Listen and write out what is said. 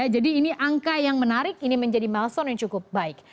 jadi ini angka yang menarik ini menjadi milestone yang cukup baik